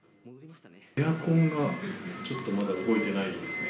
エアコンがちょっとまだ動いてないですね。